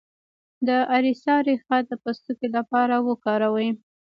د اریسا ریښه د پوستکي لپاره وکاروئ